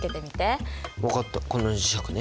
分かったこの磁石ね。